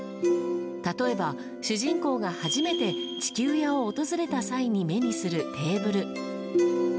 例えば、主人公が初めて地球屋を訪れた際に目にするテーブル。